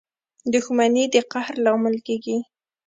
• دښمني د قهر لامل کېږي.